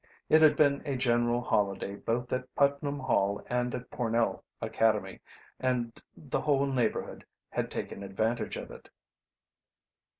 It had been a general holiday both at Putnam Hall and at Pornell Academy, and the whole neighborhood had taken advantage of it.